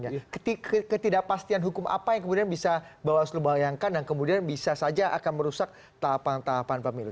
nah ketidakpastian hukum apa yang kemudian bisa bawaslu bayangkan dan kemudian bisa saja akan merusak tahapan tahapan pemilu